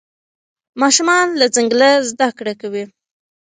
ماشومان له ځنګله زده کړه کوي.